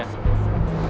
dan kita bisa bersama nanti